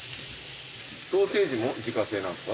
ソーセージも自家製なんですか？